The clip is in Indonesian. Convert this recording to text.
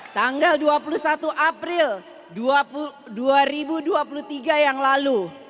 tanggal dua puluh satu april dua ribu dua puluh tiga yang lalu